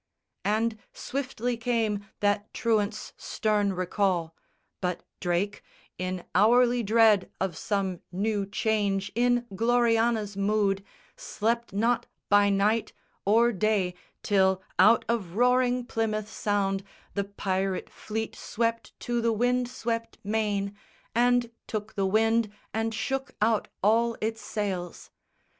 And swiftly came that truant's stern recall; But Drake, in hourly dread of some new change In Gloriana's mood, slept not by night Or day, till out of roaring Plymouth Sound The pirate fleet swept to the wind swept main, And took the wind and shook out all its sails.